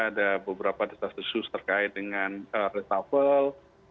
ada beberapa desa desa terkait dengan resafel